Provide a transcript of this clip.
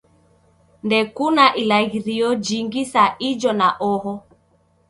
Ndekuna ilaghirio jingi sa ijo na oho